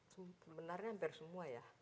sebenarnya hampir semua ya